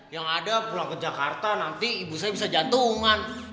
yang ada pulang ke jakarta nanti ibu saya bisa jantungan